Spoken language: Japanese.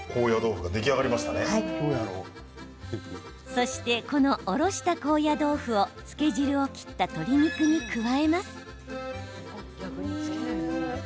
そしてこのおろした高野豆腐をつけ汁を切った鶏肉に加えます。